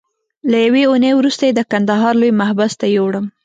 له یوې اونۍ وروسته یې د کندهار لوی محبس ته یووړم.